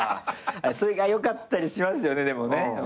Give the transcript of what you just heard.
それがよかったりしますよねでも。